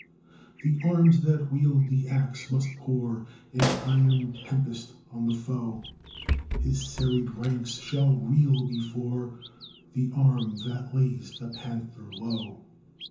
The arms that wield the axe must pour An iron tempest on the foe; His serried ranks shall reel before The arm that lays the panther low.